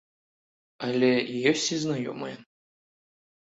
Але ёсць і знаёмыя.